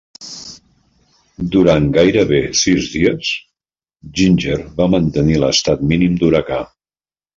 Durant gairebé sis dies, Ginger va mantenir l'estat mínim d'huracà.